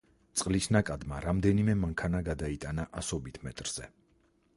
წყლის ნაკადმა რამდენიმე მანქანა გადაიტანა ასობით მეტრზე.